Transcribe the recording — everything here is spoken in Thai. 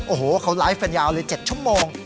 โอ้โหเขาไลฟ์กันยาวเลย๗ชั่วโมง